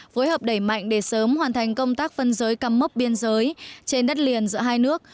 phối hợp đẩy mạnh để sớm hoàn thành công tác phân giới cắm mốc biên giới trên đất liền giữa hai nước